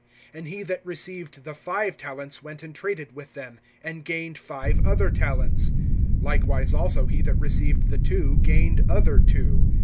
(16)And he that received the five talents went and traded with them, and gained other five talents. (17)Likewise also he that received the two gained other two.